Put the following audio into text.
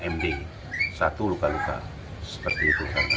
md satu luka luka seperti itu